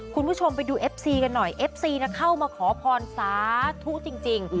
คุณผู้ชมไปดูเอฟซีกันหน่อยเอฟซีเข้ามาขอพรสาธุจริง